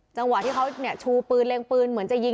จังหวะที่เขาชูปืนเล็งปืนเหมือนจะยิง